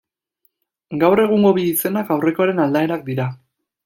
Gaur egungo bi izenak aurrekoaren aldaerak dira.